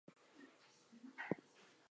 She wasn't sure what to do next?